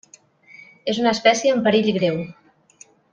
És una espècie en perill greu.